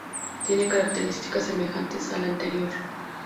Tiene características semejantes a la anterior.